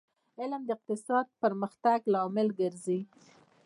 علم د اقتصادي پرمختګ لامل ګرځي